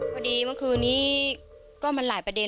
เมื่อคืนนี้ก็มันหลายประเด็น